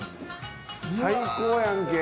最高やんけ。